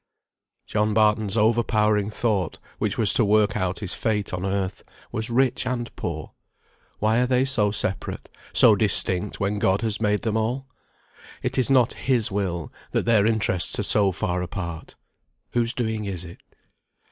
John Barton's overpowering thought, which was to work out his fate on earth, was rich and poor; why are they so separate, so distinct, when God has made them all? It is not His will, that their interests are so far apart. Whose doing is it?